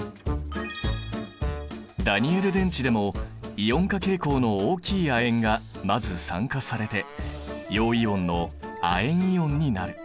ダニエル電池でもイオン化傾向の大きい亜鉛がまず酸化されて陽イオンの亜鉛イオンになる。